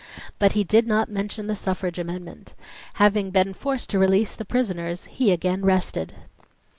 But he did not mention the suffrage amendment. Having been forced to release the prisoners, he again rested.